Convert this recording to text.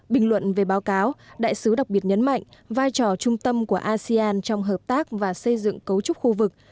bình luận về báo cáo đại sứ đặc biệt nhấn mạnh vai trò trung tâm của asean trong hợp tác và xây dựng cấu trúc khu vực